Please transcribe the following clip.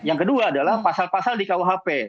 yang kedua adalah pasal pasal di kuhp